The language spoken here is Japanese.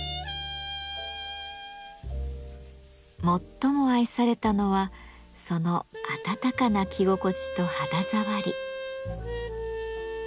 最も愛されたのはその温かな着心地と肌触り。